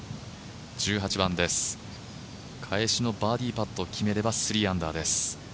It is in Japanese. １８番です、返しのバーディーパットを決めれば３アンダーです。